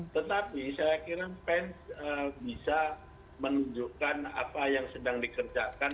tetapi saya kira pence bisa menunjukkan apa yang sedang dikerjakan